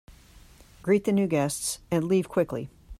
Greet the new guests and leave quickly.